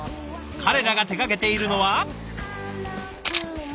彼らが手がけているのは。